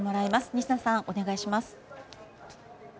仁科さん、お願いします。